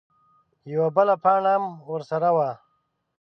_يوه بله پاڼه ام ورسره وه.